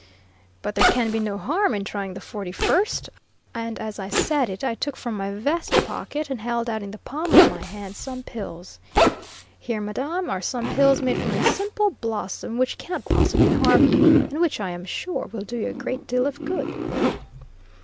"But there can be no harm in trying the forty first;" and as I said it I took from my vest pocket and held out in the palm of my hand some pills: "Here, madame, are some pills made from a simple blossom, which cannot possibly harm you, and which, I am sure, will do you a great deal of good."